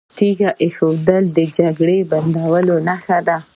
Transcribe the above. تیږه ایښودل د جګړې د بندولو نښه ده.